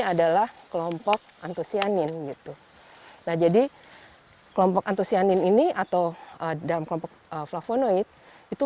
adalah kelompok antusianin gitu nah jadi kelompok antusianin ini atau dalam kelompok flavonoid itu